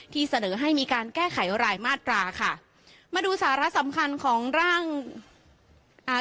ที่เสนอให้มีการแก้ไขรายมาตราค่ะมาดูสาระสำคัญของร่างอ่า